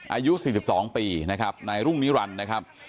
อายุ๔๒ปีนะครับนายรุ่งนิรันดิ์นะครับ